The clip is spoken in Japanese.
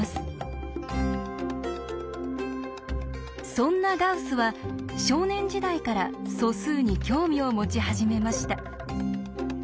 そんなガウスは少年時代から素数に興味を持ち始めました。